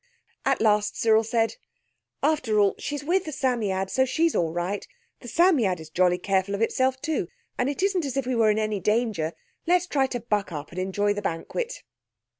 At last Cyril said— "After all, she's with the Psammead, so she's all right. The Psammead is jolly careful of itself too. And it isn't as if we were in any danger. Let's try to buck up and enjoy the banquet."